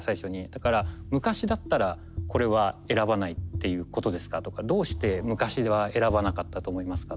だから昔だったらこれは選ばないっていうことですかとかどうして昔では選ばなかったと思いますかとか。